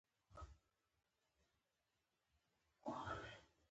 زردالو د افغانستان د اقتصادي ودې لپاره پوره ارزښت لري.